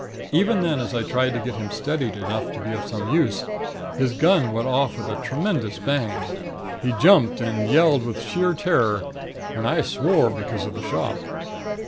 Even then as I tried to get him steadied enough to be of some use, his gun went off with a tremendous bang. He jumped, and yelled with sheer terror; and I swore because of the shock.